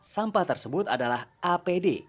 sampah tersebut adalah apd